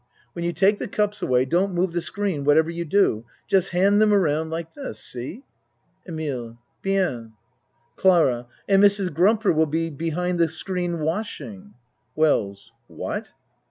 When you take the cups away don't move the screen what ever you do. Just hand them around like this. See EMILE Bien. CLARA And Mrs. Grumper will be behind the screen washing. WELLS What?